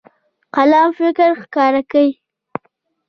قلم فکر ښکاره کوي.